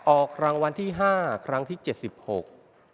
ออกรางวัลที่ห้าครั้งที่เจ็ดสิบหก